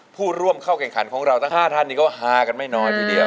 ผู้ร่วมเข้าแข่งขันของเราทั้ง๕ท่านนี้ก็ฮากันไม่น้อยทีเดียว